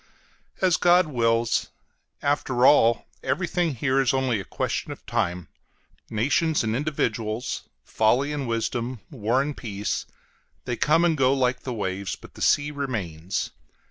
As God wills! After all, everything here is only a question of time: nations and individuals, folly and wisdom, war and peace, they come and go like the waves, but the sea remains.